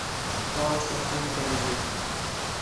پہچ کر فون کرے ڄے